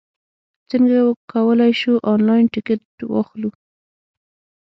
څنګه کولای شو، انلاین ټکټ واخلو؟